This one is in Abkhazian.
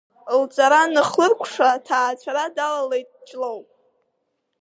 Лҵара аныхлыркәша, аҭаацәара далалеит Ҷлоу.